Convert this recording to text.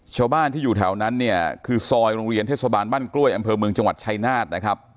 ชาวบ้านที่อยู่แถวนั้นเนี่ยคือซอยโรงเรียนเทศบาลบ้านกล้วยอำเภอเมืองจังหวัดชายนาฏนะครับ